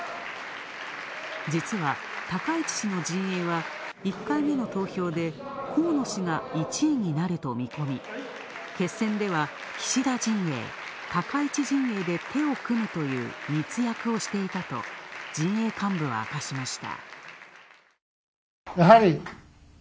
実は高市氏の陣営は１回目の投票で河野氏が１位になると見込み、決戦では、岸田陣営高市陣営で手を組むという密約をしていたと陣営幹部は明かしました。